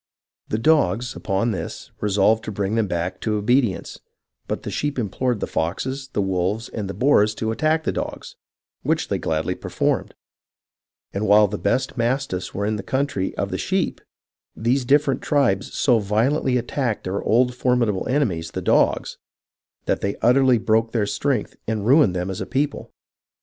The dogs, upon this, resolved to bring them back to obedience; but the sheep implored the foxes, the wolves, and the boars to attack the dogs, which they gladly per formed ; and while the best mastiffs were in the country of the sheep, these different tribes so violently attacked their old formidable enemies, the dogs, that they utterly broke their strength, and ruined them as a people.